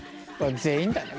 全員だね